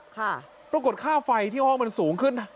ปรากฏค่าไฟที่ห้องมันสูงขึ้น